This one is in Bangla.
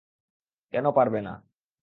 কেন পারবে না!